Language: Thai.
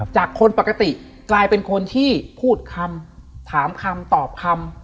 คนปกติกลายเป็นคนที่พูดคำถามคำตอบคำ